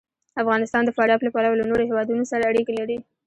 افغانستان د فاریاب له پلوه له نورو هېوادونو سره اړیکې لري.